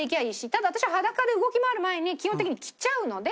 ただ私は裸で動き回る前に基本的に着ちゃうので。